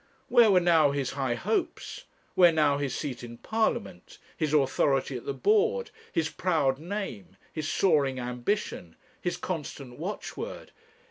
Where were now his high hopes, where now his seat in Parliament, his authority at the board, his proud name, his soaring ambition, his constant watchword?